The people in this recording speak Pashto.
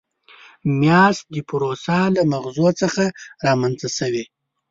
میاشت د پوروسا له مغزو څخه رامنځته شوې.